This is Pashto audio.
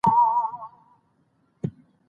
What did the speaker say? یو بل ته د همکارۍ لاس اوږد کړئ.